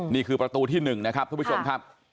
นี่คือประตูที่๑นะครับทุกผู้ชมครับ